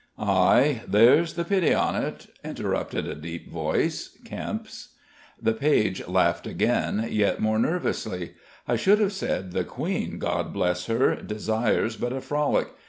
"Ay, there's the pity o't," interrupted a deep voice Kempe's. The page laughed again, yet more nervously. "I should have said the Queen God bless her! desires but a frolic.